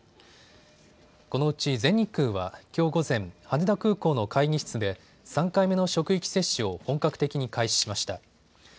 このうち全日空は、きょう午前、羽田空港の会議室で３回目の職域接種を本格的に開始しました。